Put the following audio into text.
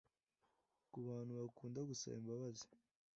Ku bantu bakunda gusaba imbabazi